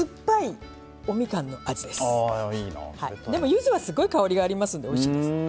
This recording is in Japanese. ゆずはすごい香りがありますんでおいしいです。